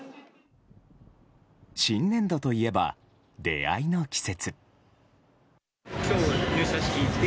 新年度といえば出会いの季節。